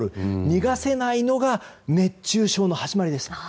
逃がせないのが熱中症の始まりです。